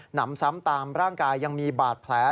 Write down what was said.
นำซ้ำตามร่างกายยังมีบาดแผล